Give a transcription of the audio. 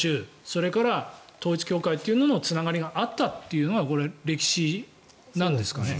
それから、統一教会というののつながりがあったというのがこれ、歴史なんですかね。